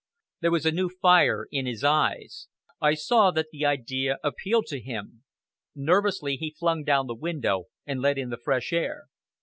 There was a new fire in his eyes. I saw that the idea appealed to him. Nervously he flung down the window and let in the fresh air.